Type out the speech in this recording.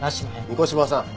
御子柴さん！